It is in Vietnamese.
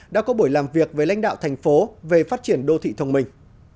đã có buổi làm việc với lãnh đạo thành phố về phát triển đô thị thông minh